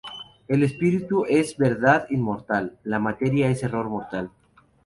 El Espíritu es Verdad inmortal; la materia es error mortal.